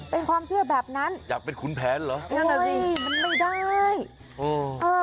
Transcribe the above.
เป็นความเชื่อแบบนั้นอยากเป็นคุณแพ้นเหรอโอ้ยมันไม่ได้เออ